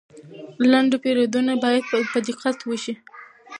لنډه پیرودنه باید په دقت وشي.